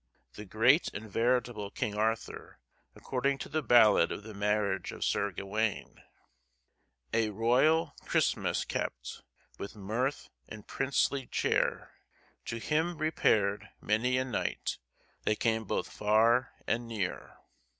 The great and veritable King Arthur, according to the ballad of the "Marriage of Sir Gawaine,"— "......a royale Christmasse kept, With mirth and princelye cheare; To him repaired many a knighte, That came both farre and neare."